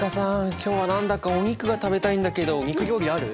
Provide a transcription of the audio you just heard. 今日は何だかお肉が食べたいんだけど肉料理ある？